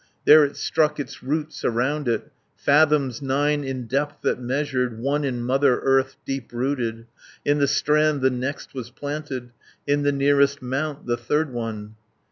There it struck its roots around it, Fathoms nine in depth that measured, One in Mother Earth deep rooted, 430 In the strand the next was planted, In the nearest mount the third one.